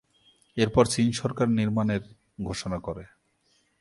এর পর চিন সরকার নির্মানের ঘোষণা করে।